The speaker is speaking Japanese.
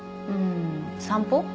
散歩？